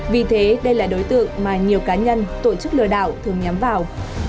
vì thế đây là đối tượng mà nhiều cá nhân tổ chức lừa đảo thường nhắm vào